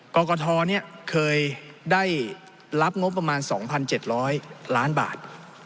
กรกฐเคยได้รับงบประมาณ๒๗๐๐ล้านบาท